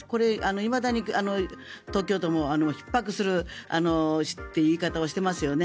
いまだに東京都もひっ迫するという言い方をしていますよね。